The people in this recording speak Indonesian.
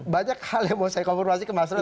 banyak hal yang mau saya konfirmasi ke mas roy